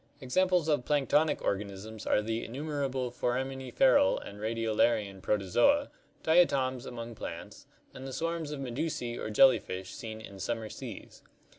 Examples of planktonic organisms are the innumerable forami niferal and radiolarian Protozoa, diatoms among plants, and the swarms of medusae or jellyfish seen in summer seas.